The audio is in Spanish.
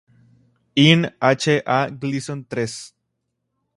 In H. A. Gleason Ill.